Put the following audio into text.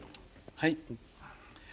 はい。